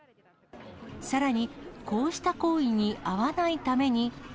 さらに、こうした行為に遭わないために。